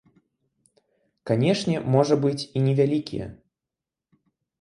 Канешне, можа быць, і невялікія.